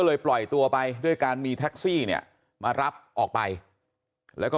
ปล่อยตัวไปด้วยการมีแท็กซี่เนี่ยมารับออกไปแล้วก็